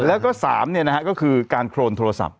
แล้วก็๓เนี่ยนะฮะก็คือการโครนโทรศัพท์